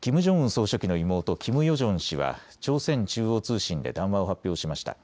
総書記の妹、キム・ヨジョン氏は朝鮮中央通信で談話を発表しました。